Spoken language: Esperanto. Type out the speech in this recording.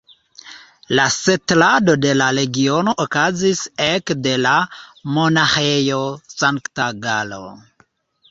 La setlado de la regiono okazis ek de la Monaĥejo Sankt-Galo.